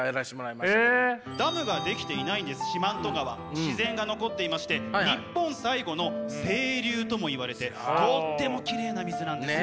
自然が残っていまして日本最後の清流とも言われてとってもきれいな水なんですね。